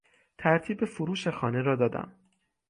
ترتیب فروش خانه را دادم.